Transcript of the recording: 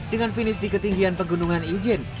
dengan finish di ketinggian pegunungan ijen